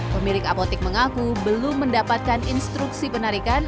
pemilik apotik mengaku belum mendapatkan instruksi penarikan